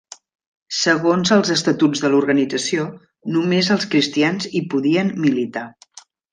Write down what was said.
Segons els estatuts de l'organització, només els cristians hi podien militar.